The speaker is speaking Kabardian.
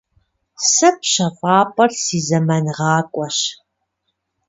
Сэ пщэфӏапӏэр си зэмангъакӏуэщ.